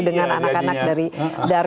dengan anak anak dari dar dua